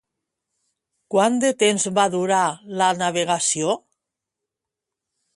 Quant de temps va durar la navegació?